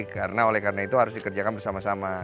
karena oleh karena itu harus dikerjakan bersama sama